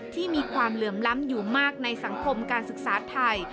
ที่มีความเหลื่อมล้ำอยู่มากในสังคมการศึกษาไทย